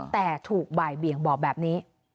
แต่ถูกบ่ายเบี่ยงบอกแบบนี้